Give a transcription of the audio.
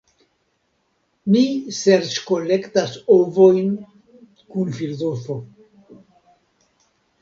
Mi serĉkolektas ovojn kun filozofo.